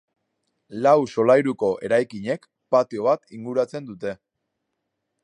Lau solairuko eraikinek patio bat inguratzen dute.